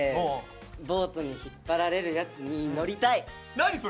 何それ？